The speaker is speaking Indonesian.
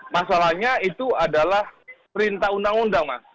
masalahnya itu adalah perintah undang undang mas